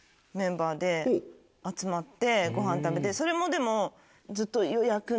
それもでも。